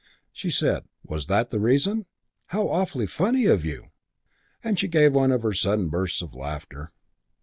She said, "Was that the reason? How awfully funny of you!" and she gave one of her sudden bursts of laughter.